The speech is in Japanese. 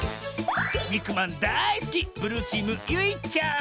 にくまんだいすきブルーチームゆいちゃん。